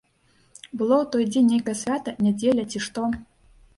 Было ў той дзень нейкае свята, нядзеля, ці што.